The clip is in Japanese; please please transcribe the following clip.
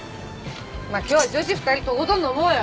まあ今日は女子２人とことん飲もうよ。